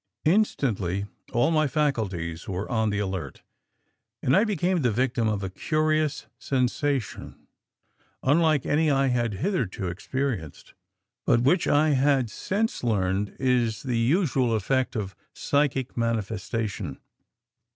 Instantly all my faculties were on the alert, and I became the victim of a curious sensation unlike any I had hitherto experienced, but which I have since learned is the usual effect of psychic manifestation.